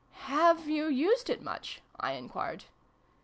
" Have you used it much ?" I enquired.